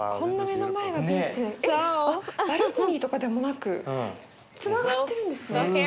えっバルコニーとかでもなくつながってるんですね。